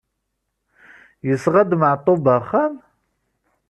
Yesɣa-d Maɛṭub axxam?